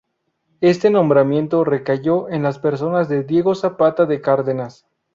Este nombramiento recayó en la persona de Diego Zapata de Cárdenas.